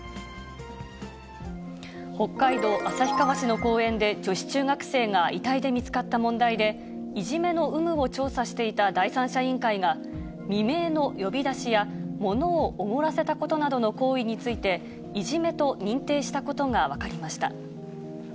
北海道旭川市の公園で、女子中学生が遺体で見つかった問題で、いじめの有無を調査していた第三者委員会が、未明の呼び出しや、ものをおごらせたことなどの行為についていじめと認定したことが分かりました。